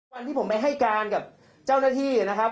วันที่ผมไปให้การกับเจ้าหน้าที่นะครับ